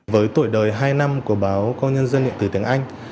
với tuổi đời hai năm của báo công nhân dân điện tử tiếng anh